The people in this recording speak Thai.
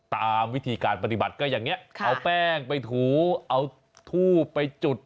ตามวิธีการปฏิบัติก็อย่างนี้เอาแป้งไปถูเอาทูบไปจุด